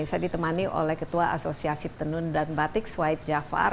saya ditemani oleh ketua asosiasi tenun dan batik swaid jafar